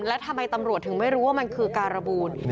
แล้วทำไมตำรวจถึงไม่รู้ว่ามันคือการบูล